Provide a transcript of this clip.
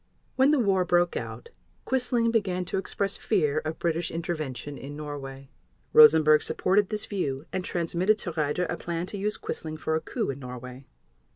When the war broke out Quisling began to express fear of British intervention in Norway. Rosenberg supported this view, and transmitted to Raeder a plan to use Quisling for a coup in Norway.